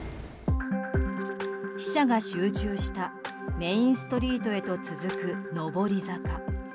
死者が集中したメインストリートへと続く上り坂。